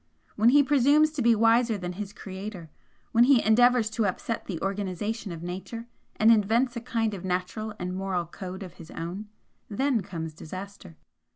When he presumes to be wiser than his Creator, when he endeavours to upset the organisation of Nature, and invents a kind of natural and moral code of his own, then comes disaster.